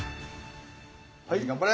はい頑張れ！